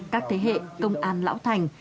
các thế hệ công an lão thành